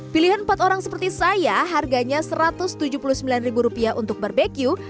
pilihan empat orang seperti saya harganya rp satu ratus tujuh puluh sembilan untuk barbeque